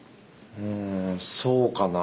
うんそうかな。